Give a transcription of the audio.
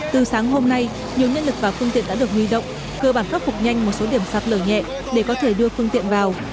từ sáng hôm nay nhiều nhân lực và phương tiện đã được huy động cơ bản khắc phục nhanh một số điểm sạt lở nhẹ để có thể đưa phương tiện vào